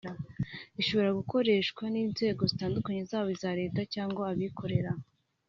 ishobora gukoreshwa n’inzego zitandukanye zaba iza leta cyangwa abikorera